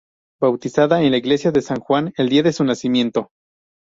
Bautizada en la iglesia de San Juan el día de su nacimiento.